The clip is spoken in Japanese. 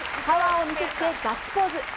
パワーを見せつけガッツポーズ。